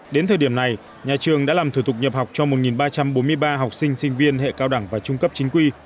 đến thời điểm này nhà trường đã làm thủ tục nhập học cho một ba trăm bốn mươi ba học sinh sinh viên hệ cao đẳng và trung cấp chính quy